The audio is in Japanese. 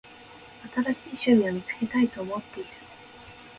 新しい趣味を見つけたいと思っている。